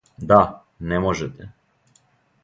Да, не можете.